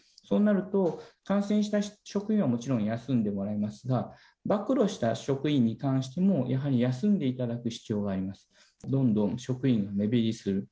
そうなると、感染した職員はもちろん休んでもらいますが、ばく露した職員に関しても、やはり休んでいただく必要があります。